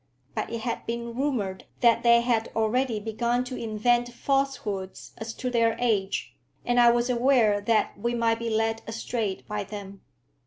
But it had been rumoured that they had already begun to invent falsehoods as to their age, and I was aware that we might be led astray by them.